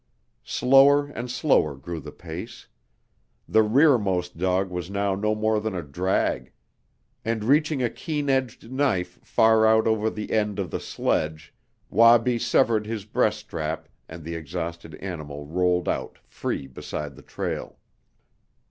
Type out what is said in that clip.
Slower and slower grew the pace. The rearmost dog was now no more than a drag, and reaching a keen edged knife far out over the end of the sledge Wabi severed his breast strap and the exhausted animal rolled out free beside the trail.